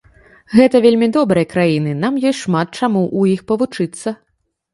Гэта вельмі добрыя краіны, нам ёсць шмат чаму у іх павучыцца.